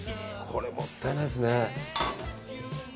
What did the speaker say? これ、もったいないですね。